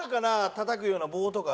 叩くような棒とか。